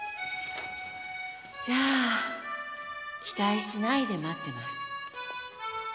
じゃあ期待しないで待ってます。